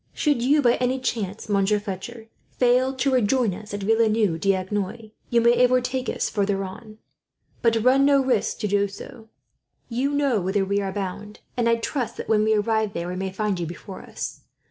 "Should you by any chance, Monsieur Fletcher, fail to rejoin us at Villeneuve d'Agenois, you may overtake us farther on. But run no risk to do so. You know whither we are bound, and I trust that, when we arrive there, we may find you before us.